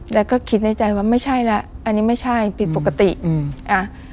แล้วก็คิดในใจว่าไม่ใช่แล้วอันนี้ไม่ใช่ผิดปกติอืมอ่า